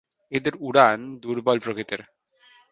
এদের উড়ান দূর্বল প্রকৃতির।